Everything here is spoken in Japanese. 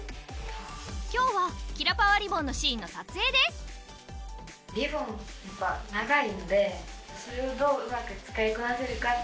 今日はキラパワリボンのシーンの撮影ですはい！